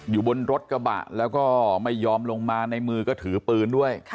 อยู่บนรถกระบะแล้วก็ไม่ยอมลงมาในมือก็ถือปืนด้วย